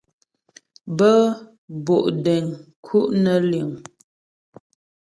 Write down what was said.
Bə́́ bo' deŋ nku' nə́ liŋ.